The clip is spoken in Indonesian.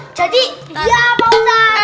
eh jadi dia pak ustadz